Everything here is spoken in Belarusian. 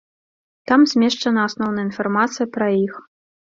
Там змешчана асноўная інфармацыя пра іх.